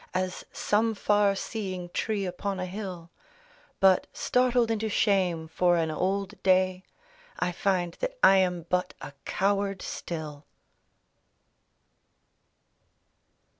As some far seeing tree upon a hill; But, startled into shame for an old day, I find that I am but a coward still.